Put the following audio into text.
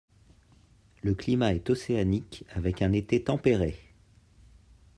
Le climat est océanique avec un été tempéré.